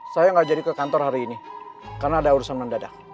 saya nggak jadi ke kantor hari ini karena ada urusan mendadak